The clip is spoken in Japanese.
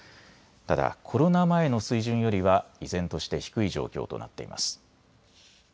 ただコロナ前の水準よりは依然として低い状況となっています。